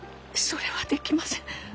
それはできません。